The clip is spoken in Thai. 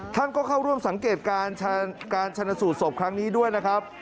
ท่านก็เข้าร่วมสังเกตการชนะสูตรศพครั้งนี้ด้วยนะครับ